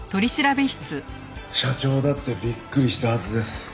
社長だってびっくりしたはずです。